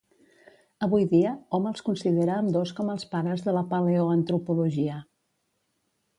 Avui dia, hom els considera a ambdós com els pares de la Paleoantropologia.